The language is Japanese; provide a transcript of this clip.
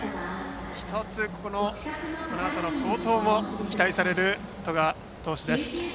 １つ、このあとの好投も期待される十川投手です。